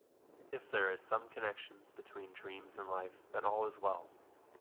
If there is some connection between dreams and life then all is well.